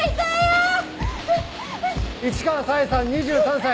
市川紗英さん２３歳。